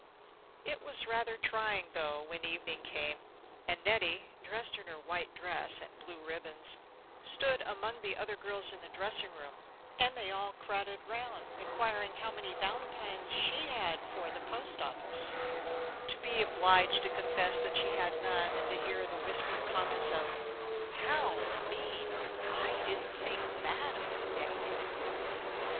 It was rather trying, though, when evening came, and Nettie, dressed in her white dress and blue ribbons, stood among the other girls in the dressing room, and they all crowded round inquiring how many valentines she had for the post office, to be obliged to confess that she had none, and to hear the whispered comments of, "How mean!" "I didn't think that of Nettie Almer."